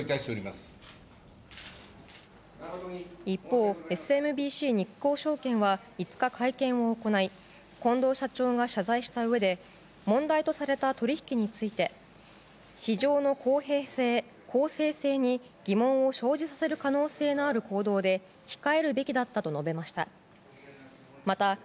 一方、ＳＭＢＣ日興証券は５日、会見を行い近藤社長が謝罪したうえで問題とされた取引について市場の公平性・公正性に疑問を生じさせる可能性のある行動で控えるべきだったと述べました。